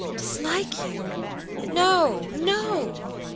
"Dislike you? Nono!"